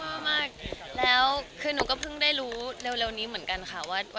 ว่าแบบบางคนมันจะมีทั้งอยากดูแล้วก็ไม่อยากดู